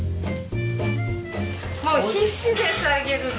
もう必死です揚げるの。